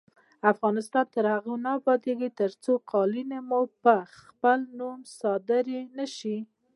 افغانستان تر هغو نه ابادیږي، ترڅو قالینې مو په خپل نوم صادرې نشي.